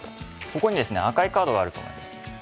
ここに赤いカードがあると思うんです。